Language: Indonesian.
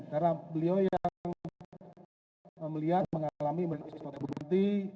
karena beliau yang melihat mengalami merenungan sesuatu berbukti